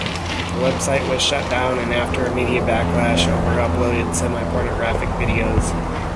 The website was shut down in after a media backlash over uploaded semi-pornographic videos.